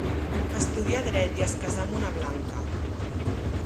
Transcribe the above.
Estudià dret i es casà amb una blanca.